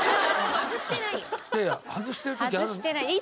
外してない。